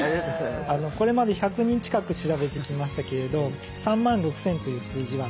これまで１００人近く調べてきましたけれど３万６，０００という数字は断トツで１位。